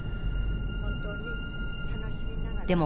でも